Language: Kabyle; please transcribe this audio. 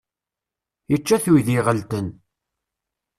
Yečča-t uydi iɣelten.